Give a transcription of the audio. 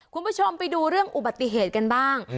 คุณผู้ชมไปดูเรื่องอุบัติเหตุกันบ้าง